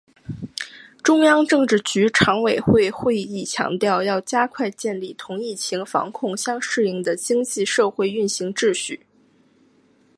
中央政治局常委会会议强调要加快建立同疫情防控相适应的经济社会运行秩序